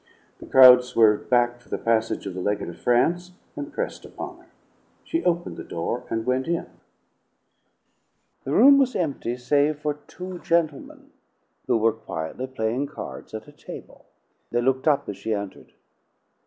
The crowd swerved back for the passage of the legate of France, and pressed upon her. She opened the door, and went in. The room was empty save for two gentlemen, who were quietly playing cards at a table. They looked up as she entered.